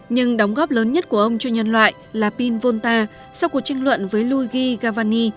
nhưng đóng góp lớn nhất của ông cho nhân loại là pin volta sau cuộc tranh luận với luigi gavani